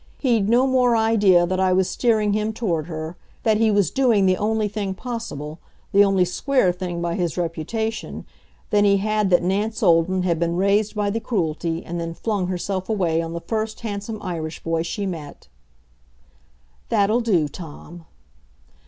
He'd no more idea that I was steering him toward her, that he was doing the only thing possible, the only square thing by his reputation, than he had that Nance Olden had been raised by the Cruelty, and then flung herself away on the first handsome Irish boy she met. That'll do, Tom.